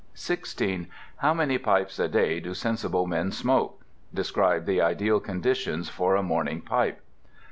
16. How many pipes a day do sensible men smoke? Describe the ideal conditions for a morning pipe.